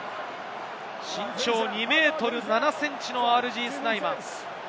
身長２ｍ７ｃｍのＲＧ・スナイマン。